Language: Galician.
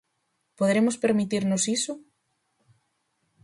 Poderemos permitirnos iso?